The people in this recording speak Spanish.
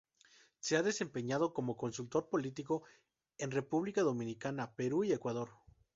Se ha desempeñado como consultor político en República Dominicana, Perú y Ecuador.